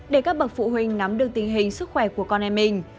để các bậc phụ huynh nắm được tình hình sức khỏe của con em mình